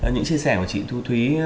những chia sẻ của chị thu thúy